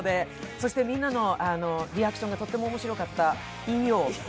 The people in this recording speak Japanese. そしてみんなのリアクションがとっても面白かった「ＥＯイーオー」。